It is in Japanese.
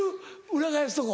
裏返すとこ。